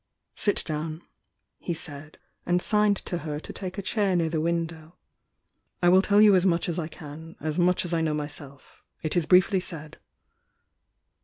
"Sit down," he said, and signed to her to take a chair near the window. 'I will tell you as much as I can — as much as I myself know. It is briefly said."